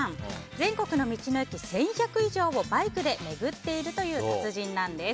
全国の道の駅１１００以上をバイクで巡っているという達人なんです。